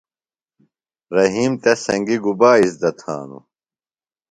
رحیم تس سنگیۡ گُبا اِزدہ تھانوۡ؟